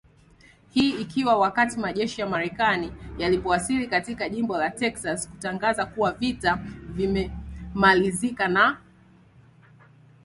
Hii ikiwa wakati majeshi ya Marekani yalipowasili katika jimbo la Texas kutangaza kuwa vita vimemalizika na jeshi la upinzani wamesalimu amri mwezi April